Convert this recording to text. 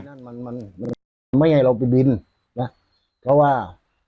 นั่นมันมันไม่ให้เราไปบินนะเพราะว่า